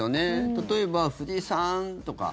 例えば、藤井さんとか。